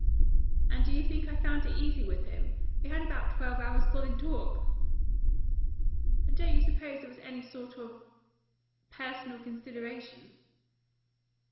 "And do you think I found it easy with him? We had about twelve hours' solid talk." "And you don't suppose it was any sort of personal consideration?"